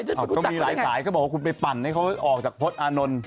อ๋อต้องมีหลายบอกว่ากูเป็นพันให้เขาออกจากพฤตอานนท์